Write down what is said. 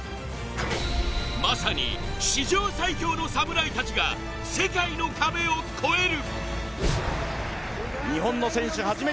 まさに史上最強の侍たちが世界の壁を超える。